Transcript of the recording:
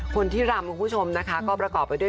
คนที่รำคุณผู้ชมนะคะก็ประกอบไปด้วย